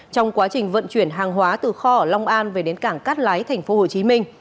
trong quá trình vận chuyển hàng hóa từ kho ở long an về đến cảng cát lái tp hcm